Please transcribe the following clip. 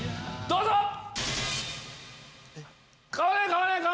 どうぞ！